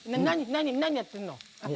何やってるの？